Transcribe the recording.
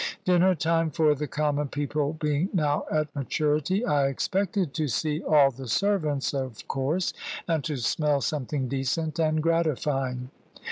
Dinner time for the common people being now at maturity, I expected to see all the servants of course, and to smell something decent and gratifying.